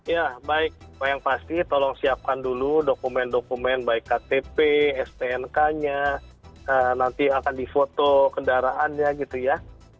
ya baik yang pasti tolong siapkan dulu dokumen dokumen baik ktp stnk nya nanti akan difoto kendaraannya gitu ya